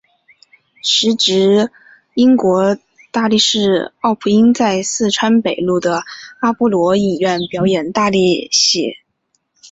时值英国大力士奥皮音在四川北路的阿波罗影院表演大力戏。